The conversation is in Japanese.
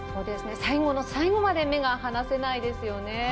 最後の最後まで目が離せないですよね。